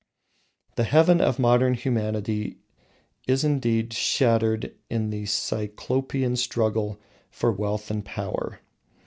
The heaven of modern humanity is indeed shattered in the Cyclopean struggle for wealth and power.